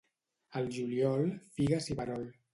Al juliol, figues i verol.